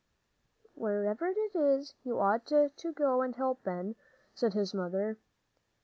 "Wherever it is, you ought to go and help, Ben," said his mother.